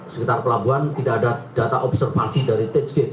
sekitar pelabuhan tidak ada data observasi dari tedge gate